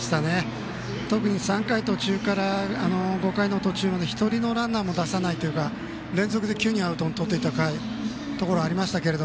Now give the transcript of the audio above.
特に３回途中から５回の途中まで１人のランナーも出さないという連続で９人アウトをとっていたところもありました。